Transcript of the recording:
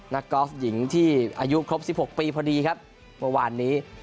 กอล์ฟหญิงที่อายุครบ๑๖ปีพอดีครับเมื่อวานนี้